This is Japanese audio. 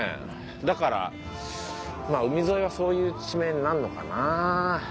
だからまあ海沿いはそういう地名になるのかな。